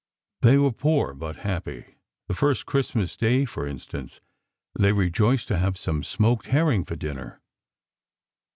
They were poor but happy. The first Christmas day, for instance, "they rejoiced to have some smoked herring for dinner."